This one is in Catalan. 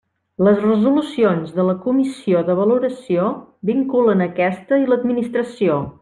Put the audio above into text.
Les resolucions de la comissió de valoració vinculen aquesta i l'Administració.